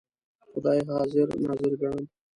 خدای حاضر ناظر ګڼم.